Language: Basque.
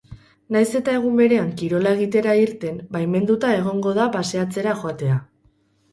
Nahiz eta egun berean kirola egitera irten, baimenduta egongo da paseatzera joatea.